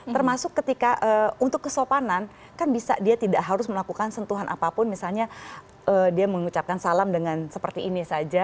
termasuk ketika untuk kesopanan kan bisa dia tidak harus melakukan sentuhan apapun misalnya dia mengucapkan salam dengan seperti ini saja